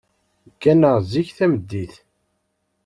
Gganeɣ zik tameddit.